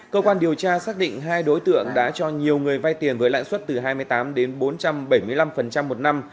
cơ quan điều tra xác định hai đối tượng đã cho nhiều người vay tiền với lãi suất từ hai mươi tám đến bốn trăm bảy mươi năm một năm